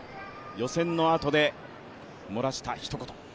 予選のあとでもらしたひと言。